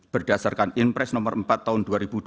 berdasarkan impres nomor empat tahun dua ribu dua puluh